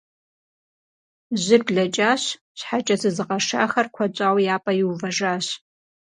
Жьыр блэкӀащ, щхьэкӀэ зызыгъэшахэр куэд щӀауэ я пӀэ иувэжащ.